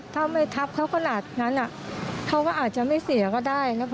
ถ้าไม่ทับเขาขนาดนั้นเขาก็อาจจะไม่เสียก็ได้นะคะ